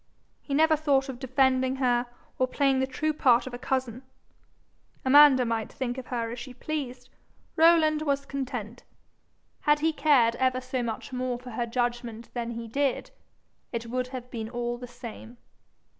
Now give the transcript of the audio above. He never thought of defending her or playing the true part of a cousin. Amanda might think of her as she pleased: Rowland was content. Had he cared ever so much more for her judgment than he did, it would have been all the same.